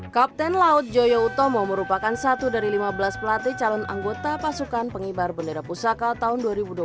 kapten laut joyo utomo merupakan satu dari lima belas pelatih calon anggota pasukan pengibar bendera pusaka tahun dua ribu dua puluh satu